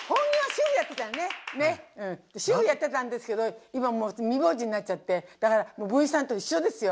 主婦やってたんですけど今もう未亡人になっちゃってだから文枝さんと一緒ですよ。